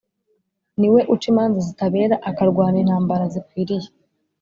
Ni we uca imanza zitabera akarwana intambara zikwiriye.